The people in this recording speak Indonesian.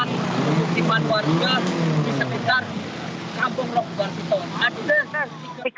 di sekitar kampung rog rog itu